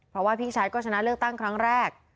เพราะว่าพี่ชายก็ชนะเลือกตั้งครั้งแรก